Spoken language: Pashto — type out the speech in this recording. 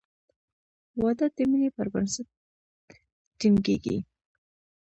• واده د مینې پر بنسټ ټینګېږي.